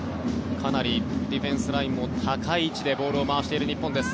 かなりディフェンスラインの高い位置でボールを回している日本です。